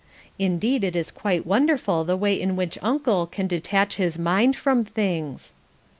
Indeed it is quite wonderful the way in which Uncle can detach his mind from things.